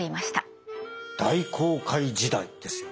大航海時代ですよね。